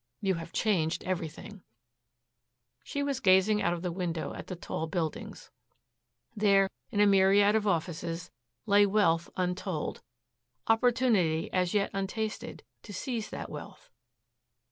You have changed everything." She was gazing out of the window at the tall buildings. There, in a myriad of offices, lay wealth untold, opportunity as yet untasted to seize that wealth.